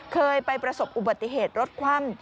เคยไปประสบอุบัติเหตุรถคว่ำ